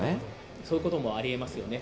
そういうこともありえますよね。